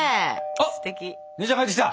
あっ姉ちゃん帰ってきた！